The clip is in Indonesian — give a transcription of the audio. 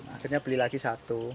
akhirnya beli lagi satu